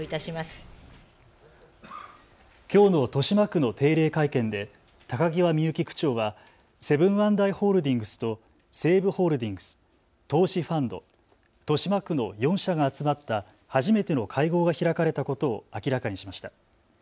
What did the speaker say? きょうの豊島区の定例会見で高際みゆき区長はセブン＆アイ・ホールディングスと西武ホールディングス、投資ファンド、豊島区の４者が集まった初めての会合が開かれたことを明らかにしました。